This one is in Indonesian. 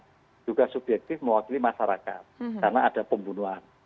dan juga subjektif mewakili masyarakat karena ada pembunuhan